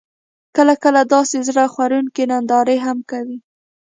کله، کله داسې زړه خوړونکې نندارې هم کوي: